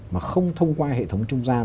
mà không thông qua hệ thống trung gian